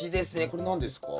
これ何ですか？